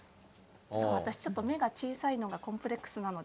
私ちょっと目が小さいのがコンプレックスなので。